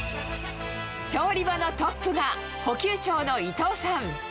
調理場のトップが、補給長の伊藤さん。